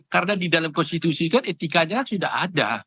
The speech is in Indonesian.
karena di dalam konstitusi kan etikanya sudah ada